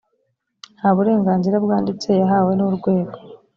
nta burenganzira bwanditse yahawe n urwego